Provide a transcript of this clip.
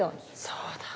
そうだ。